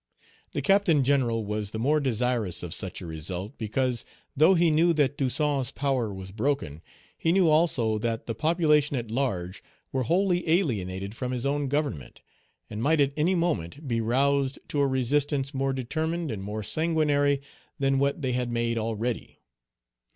The Captain General was the more desirous of such a result because, though he knew that Toussaint's power was broken, he knew also that the population at large were wholly alienated from his own Government, and might at any moment be roused to a resistance more determined and more sanguinary than what they had made already.